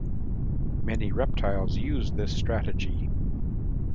Many reptiles use this strategy.